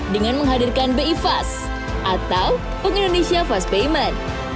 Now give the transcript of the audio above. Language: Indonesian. dengan menghadirkan bi fast atau indonesia fast payment